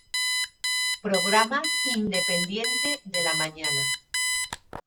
Programa independiente de la mañana.